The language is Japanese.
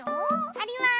あります。